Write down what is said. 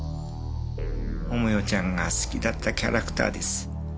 桃代ちゃんが好きだったキャラクターです。